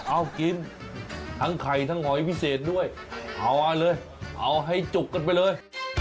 เอากินทั้งไข่ทั้งหอยพิเศษด้วยเอาเลยเอาให้จุกกันไปเลย